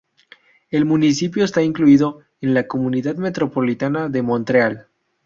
El municipio está incluido en la Comunidad metropolitana de Montreal.